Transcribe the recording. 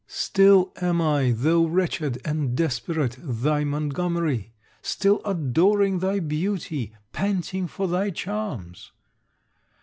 Still am I, though wretched and desperate, thy Montgomery; still adoring thy beauty, panting for thy charms.